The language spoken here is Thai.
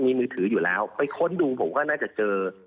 มีมือถืออยู่แล้วไปค้นดูผมก็น่าจะเจอ